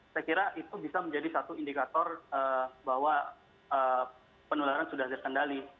saya kira itu bisa menjadi satu indikator bahwa penularan sudah terkendali